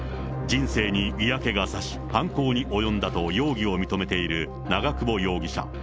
人生に嫌気がさし、犯行に及んだと容疑を認めているという長久保容疑者。